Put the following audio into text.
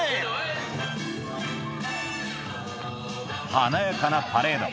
華やかなパレード